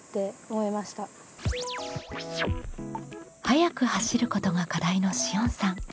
「速く走ること」が課題のしおんさん。